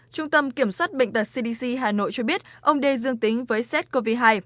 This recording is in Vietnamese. trung tâm kiểm soát bệnh tật cdc hà nội cho biết ông đê dương tính với sars cov hai